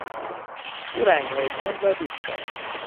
او رنگهای تند را دوست دارد.